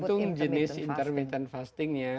jadi tergantung jenis intermittent fasting ya